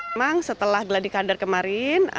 memang setelah gladi kotor kemarin